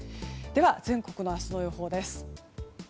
では全国の明日の予報です。